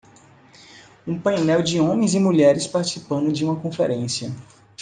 Um painel de homens e mulheres participando de uma conferência.